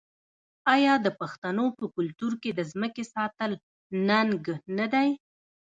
آیا د پښتنو په کلتور کې د ځمکې ساتل ننګ نه دی؟